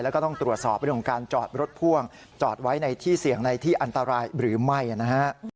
แล้วก็ต้องตรวจสอบเรื่องของการจอดรถพ่วงจอดไว้ในที่เสี่ยงในที่อันตรายหรือไม่นะฮะ